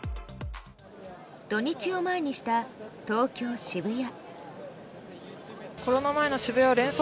土日を前にした東京・渋谷。